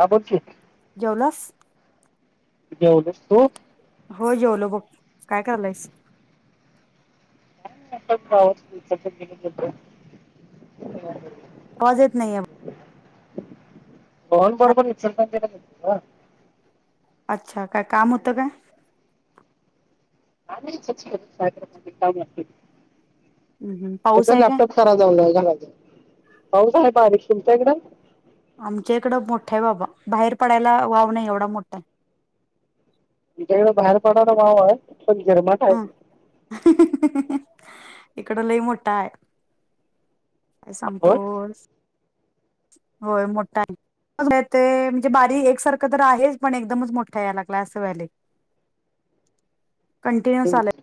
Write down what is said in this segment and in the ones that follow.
हा बोलकी. जेवलास? जेवलो तु? होय जेवलो बघ काय करालायस? [inaudible] आवाज येत नैयाय पवन बरोबर इचलकरंजी ला गेलतो ग. अच्छा काय काम होतं काय? [inaudible] अग हम्म पाऊस आहे काय लॅपटॉप खराब झालाय का माझा? पाऊस आहे बारीक तुमच्या इकडं? आमच्या इकडं मोठा हाय बाबा बाहेर पडायला वाव नाही एवढा मोठा हाय. तुमच्याकडे बाहेर पडणारा भाव आहे? पण गिरमाट अं आहे इकड लई मोठा हाय. काय होय सांगतोस होय मोठ्ठाय. [unintelligible] ते म्हणजे बारी एकसारखं तर आहेच पण एकदमच मोठा याय लागलाय असं व्हायलंय. कंटिन्युस आलंय.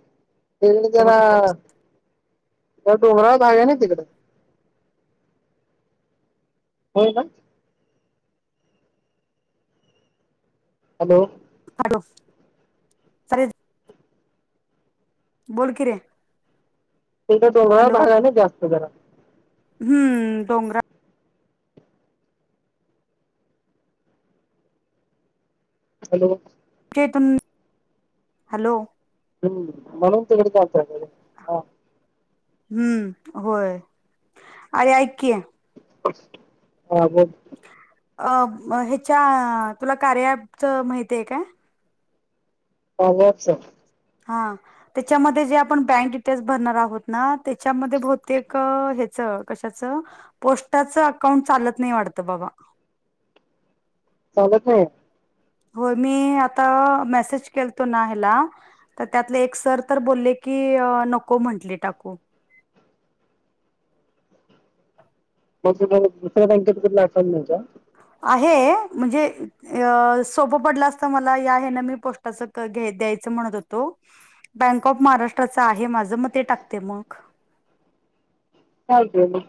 तिकड जरा त्या डोंगरावर झालाय ना तिकड. होय ना? हॅलो. लो सर बोल की रे. इथं डोंगरावर हॅलो झालाय नई जास्त जरा. हम्म डोंगरा हॅलो. तेतुन हॅलो. हम्म म्हणून तिकडे जास्त झालाय आ. हम्म होय अरे ऐक की. हा बोल. अ म ह्याच्या तुला कार्याच माहितीये काय? आवाज. हां त्याच्यामध्ये जे आपण बँक डिटेल्स भरणार आहोत ना त्याच्यामध्ये बहुतेक हेच च कशाच पोस्टाच अकाउंट चालत नाही वाटतं बघा. चागत नई? होय मी आता मेसेज केलतो ना ह्याला तर त्यातले एक सर तर बोल्ले की नको म्हंटले टाकू. मग तुम्हाला दुसऱ्या बँकेेत अकाउंट नायका? [inaudible] आहे म्हणजे अ सोपं पडलं असत मला या हेन मी पोस्टाचं घेत द्यायचं च म्हणत होतो बँक ऑफ महाराष्ट्रा आहे माझ मग ते टाकते म. [inaudible] चालतंय मग.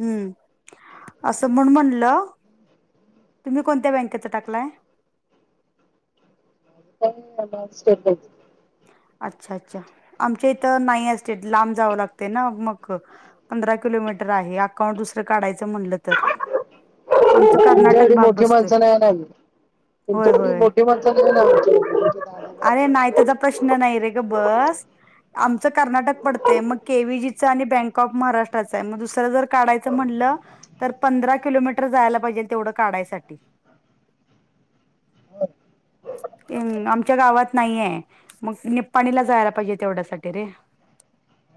हम्म असं म्हण म्हणलं तुम्ही कोणत्या बँकेच टाकलाय? त [unintelligible] अच्छा अच्छा आमच्या इथं नाही असते लांब जावं लागते ना मग पंधरा कि किलोमीटर आहे अकाउंट दुसरं काढायचं म्हटलं तर आमच कर्नाटक तुझ्याकडं भाग मोठी बसतोय माणसं नाही आहे होय तुमच्या होय मोठी माणसं निघन [unintelligible] अरे नाही त्याचा प्रश्न नाही रे ग बस आमच कर्नाटक पडतय मग के आणि बँक ऑफ महाराष्ट्राचं मग दुसरं जर काढायं म्हटलं तर पंधरा किलोमीटर जायला पाहिजे. तेवढं काढायसाठी आमच्या गावात नाहीये मग निपपाणीला जायला पाहिजे तेवढ्यासाठी रे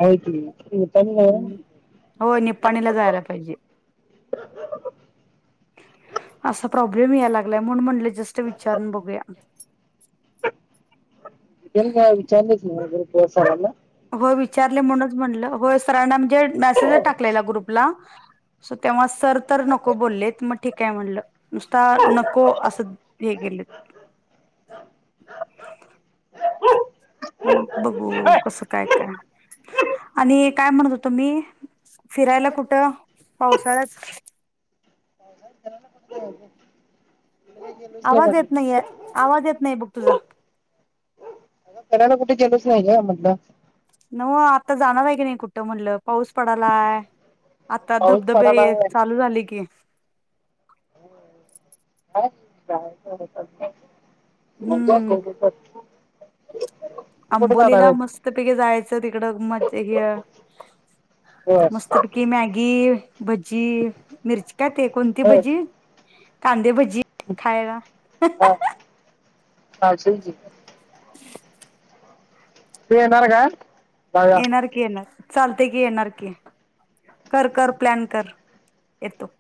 आहती ते हो निपाणीला जायला पाहिजे. [inaudible] असा प्रॉब्लेम या लागला म्हून म्हणले जस्ट विचारून बघूया यानी काय विचारल की मं ग्रुप वर सरांना हो विचारले म्हणूनच म्हणलं, होय सरांना म्हणजे मेसेजच टाकलेला ग्रुपला तेव्हा सर तर नको बोललेत मग ठीकय म्हणलं नुसता नको असं हे! केलं. मग बघू कसं काय, काय, आणि काय म्हणत होतो मी फिरायला कुठं पावसाळ्यात? तिकडे गेलोच नाही आवाज म्हटलं येत नाहीय, आवाज येत नाही, बघ तुझा फिरायला कुठे गेलोचं नाही ग म्हटलं. न वो आता जाणार आहे की नाही कुठं म्हटलं पाऊस पडालाय आता पाऊस पडायला धबधबे चालू झाले की. काय काय करायचं? हम्म [unintelligible] कुठे जाणार आंबोलीला आहेस? मस्त पैकी जायचं, तिकडं मज्जा गे. बस. मस्तपैकी मॅगी, भज्जी, मिर्ची का ते कोणती बस. भजी, कांदे भजी खायला हा. [unintelligible] तु येणार का? जाऊया येणार की येणार. चालते की येणार की कर, कर, प्लॅन कर येतो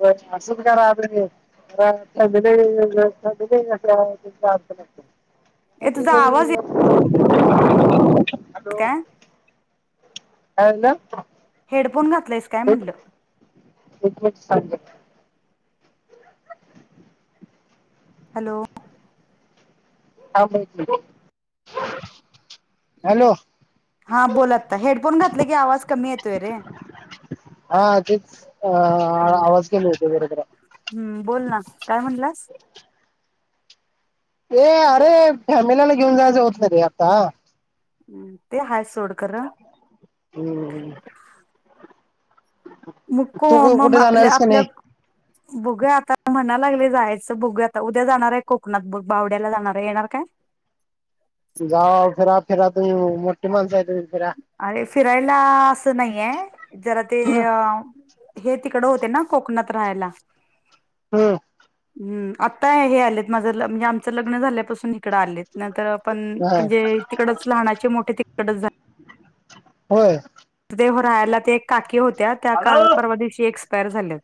बस असचा करा तुम्ही संधधत ए तुझा आवाज येत काय [unintelligible] [unintelligible] [unintelligible] हेडफोन घातलायस काय म्हनलं? [unintelligible] हॅलो! हॅलो [unintelligible] हा बोल आता हेडफोन घातले की आवाज कमी येतोय रे हा तेच अ आवाज केले होते बरोबर आहे. हं बोल ना काय म्हणलास? ए अरे फॅमिलाला घेऊन जायचं होतं रे आता हूं ते हायस हूं म को तू कु म कुठे जाणार आपल्या आहेस का आपल्या नाही बघु या आता म्हणा लागली जायचं बघु आता, उद्या जाणार आहे कोकणात, भावड्याला जाणार आहे येणार काय? जा फिरा, फिरा तूमी मोठी माणस आहे तुमी. अरे फिरायला असं नाहीये जरा ते हम्म हे तिकड होते ना कोकणात राहायला. हूं! हं आताय हे आलेत माझं म्हणजे आमचं लग्न झाल्यापासून इकडं आलेत ना तर पण हा म्हणजे तिकडच लहानाचे मोठे तिकडचं झालेत. होय! राहयला ते एक काकी होत त्या काल परवा दिवशी एक्सपायरी झाल्यात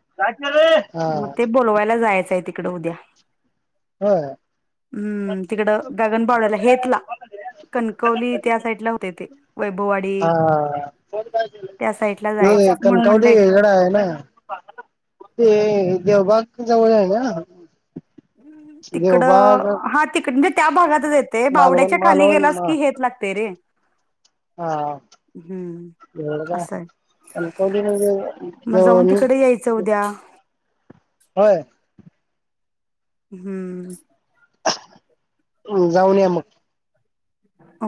हा मग ते बोलवायला जायचाय तिक तिकडं उद्या होय! हूं तीकडं गगनबावड्याला हेेतला कणकवली त्या साईड ला होते ते वैभववाडी हा. त्या साईडला जायचं म्हणून कणकावली म्हटलंय हेगडा आहे ना ते देवबाग तुन जवळ आहे ना तिकड देवबाग हा तिकड नीत तितच येतय मालवण बावड्याच्या खाली मालवण गेलास हा की हेेत लागते रे हम्म एवढं काय असाय कणकवली म्हणजे मग जाऊन जवळ तिकडे यायचं उद्या होय हम्म जाऊन ये मग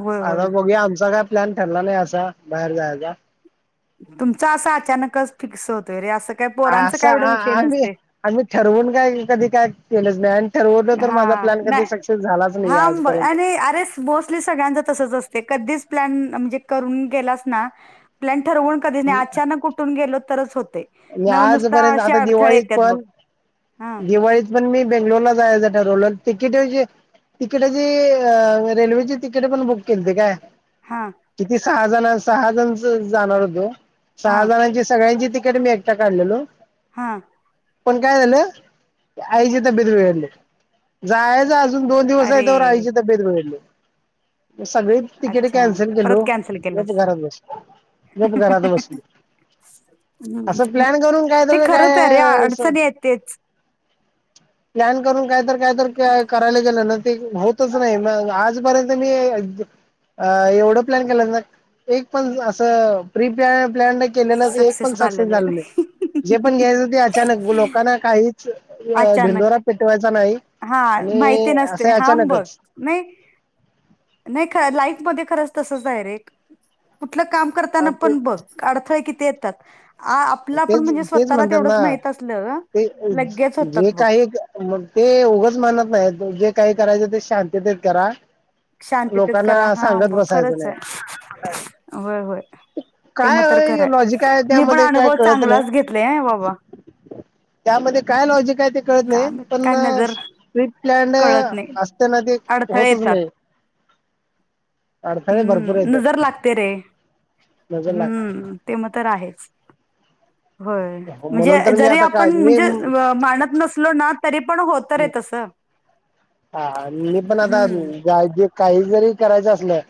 होय होय आता बघूया आमचा काय प्लॅन ठरला नाही असा बाहेर जायचा तुमच असं अचानकच फिक्स होतोय रे अस असं आ आम्ही आम्ही ठरवून काय कधी काय केलंच नाही ठरवलं तर माझा हा प्लॅन कधी नाही सक्सेस झालाच नाही हा आजपर्यंत आणि अरेच मोस्टली सगळ्यांच तसच असत ते कधीच प्लॅन म्हणजे करून गेलास ना प्लॅन ठरवून कधीच नाही अचानक ऊठून गेलो तरच होते आणि न नुसता आजपर्यंत असे आता अडथळे दिवाळीत येतात बघ पण हा दिवाळीत पण मी बेंगलोर ला जायच तिकीटची तिकीटाची अ रेल्वेची तिकीट पण बुक केलीती काय हा किती सहा जण सहा जण जाणार होतो हा सहा जणांची सगळ्यांची तिकी कडे मी एकटा काढलेलो हा पण काय झालं आईची तब्बेत बिघडली जायच आज दोन दिवस आहे अरे तोवर आयची तब्येत बिघडली सगळी तिकीट अच्छा कॅन्सल परत केलो कॅन्सल केला गप घरात बसलो गप घरात बसलो असं हम् प्लॅन करून काय हे तर खरंच आहे रे काय अडचण ही येतेच प्लॅन करून काय तर काय तर करायला गेलं ना ते होतच नाही मग आजपर्यंत मी अ एवढं प्लॅन केलं ना एक पण असं प्री प प्लॅन नाही पण एक पण सक्सेस झाल नाही जे पण घ्यायचं ते अचानक लोकांना काही अचानक ढिंडोरा पिटवायचा नाही हा आणि माहिती नसते असं हां बघ अचानकच नाही नाही ख लाईफमध्ये ख ते कुठ काम करताना ते पण बघ अडथळ किती येतात आपलं आपण तेच म्हणजे तेच स्वतःला म्हणतात तेवढंच ना माहित असलं ते लगेच जे होतात बघ काही म ते उघंच मानत नाही जे काही करायचं ते शांततेत करा शांतीतेत करा लोकांना हां सांगत ब बसायचं खरच नाही आहे होय होय ते मग तर खरं काय आहे लॉजिकाय मी पण त्यामध्ये का अनुभव कत चांगलाच घेतलाय हं बाबा नाही त्यामध्ये काय लॉजिक काय ते कळत नाही काय माहित पण काय नजर डिप प्लॅन कळत नाही असताना ते अडथळे होतच येतात नाही अडथळे भरपूर हम्म नजर येतात लागते रे नजर लाग हम्म ते मग तर आहेच होय म्हणजे म्हणून तर मी जरी आता काय आपण मी म्हणजे माणत नसलो ना, तरी पण होत रे तस. हा आणि मी पण आताय जे काही जरी करायचं असलं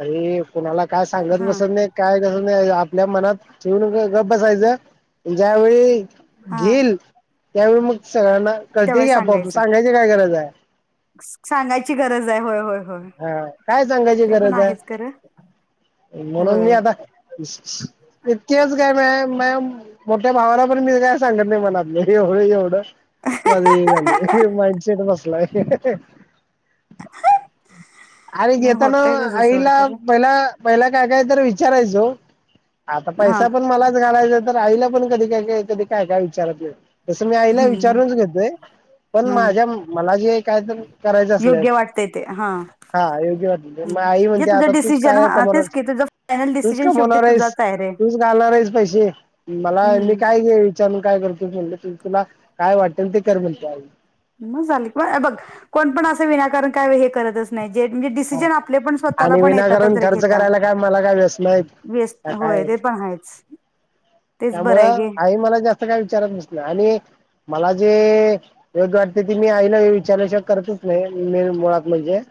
तरी- कुणाला काय सांगत हा बसत नाही काय- आपल्या मनात ठेवून गप बसायचं ज्यावेळी- हा घेईल त्यावेळी मग सगळ्यांना कळतय की, त्यावेळेस आपआप सांगायचं सांगायची काय गरज आहे. सांगायची गरज आहे, होय, होय. होय हा काय सांगायची ते पण गरज आहेच खरं आहे. ! म्हणून मी होय आता इतकेच काय मग म मोठ्या भावाला पण मी काय सांगत नाही, मनातलं एवढं, एवढं? अ झा मइंडसेेट बसला आहे [unintelligible] आणि नाही घेताना होतय तसं सोड आईला खरं पहिला- पहिला, काय- काय तर विचारायचं- आता हा पैसा पण मलाच घालायचा, तर आईला पण कधी काय-काय कधी काय-काय विचारत नाही. तसं मी आईला हम्म विचारूनच घेतोय. पण हम्म माझ्या मला जे काय तर करायचं असल योग्य वाटतंय ते हा हा योग्य म हम्म आई जे म्हणते, तुझं आता तूच डिसिजन काय हा कमावणार तेच की तुझं फायनल तूच, डिसिजन शेवटी कमवणार आहेस. तुझाच आहे रे तूच घालणार आहेस पैसे, मला मी हम्म काय घे विचारून काय कर- म्ह तुला काय वाटेल ते, कर म्हणत्या आई. मग झाली, ह बघ कोण पण असं विनाकारण काय हे करतच नाही. म्हणजे हा डिसीजन आपले पण स्वतःला आणि पण येतातच विनाकारण रे खर्च घेता. करायला काय मला काय व्यसन आहेत का काय ते पण आहेच. तेच बरं आहे त्यामुळं गे आई मला जास्त काय विचारत नसत्या आणि मला जे योग्य वाटते ते, मी आईला विचारल्याशिवाय करतच नाही, मी मुळात म्हणजे-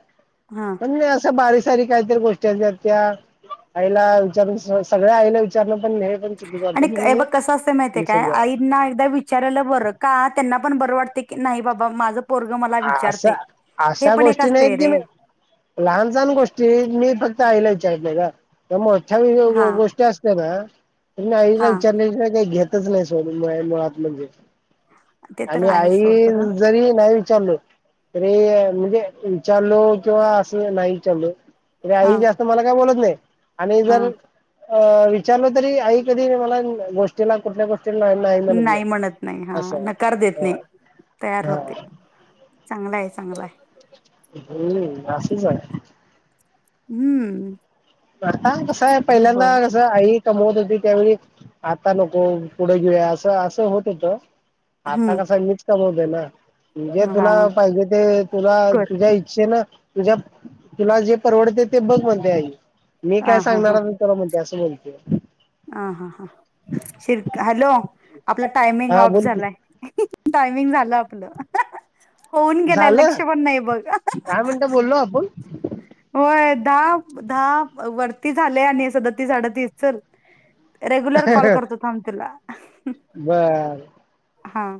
हा म्हण नाही असं बारश [unintelligible] काहीतरी गोष्टी त्याला विचार सगळ्याला विचार [unintelligible] आणि बघ कसं असत माहितय काय, विसरून जाते आईंना एकदा विचारायला बरं का? त्यांना पण बरं वाटत- नाही बाबा माझं- पोरग मला अस, विचारते हे अशा पण एक गोष्टी असते नाहीत की रे मी लहान सहान गोष्टी मी फक्त आईला का मवी हा गोष्टी असत ना [unintelligible] आईला हा विचारण्या श शिवाय काही घेतच नाही सोड मुळात म्हणजे ते तर आणि आहे सोड आई खरं जरी नाही चालू त म्हणजे वि चालू किंवा असं नाही [unintelligible] चालू हा आई जास्त मला काय बोलत नाही आणि हा जर अ विचारलं तरी आई कधी मला गोष्टीला कुठल्या गोष्टी ला नाही म्हणत नाही, म्हणत नाही हा असं, नकार देत हा नाही तयार हा होते हा चांगला आहे चांगला आहे हम्.. अशीच आहे. हम्म. हा कसं आहे बर पहिल्यांदा कसं आई कमवत होती, त्यावेळी आता नको पुढे घेऊया, असं असं होतं होत. आता हम्म का संगीच कमवते ना.. जे हा तुला पाहिजे ते तुला कर तुझ्या इच्छे न तुझ्या तुला जे परवडते, ते बघ म्हणते आई. मी हा काय सांगणार मी तुला, म्हणते असं म्हणत्या. ह, हा, हां शिर- हॅलो? आपला टायमिंग हा ऑफ बोल की झालाय. टायमिंग झालं आपलं. होऊन गेलाय, झालं लक्ष पण नाही बघ. दहा मिनिटं बोललो आपण होय दहा- दहा वरती झाले आणि सदतीस अडतीस चल. रेग्युलर कॉल करतो, थांब तुला. बर हा-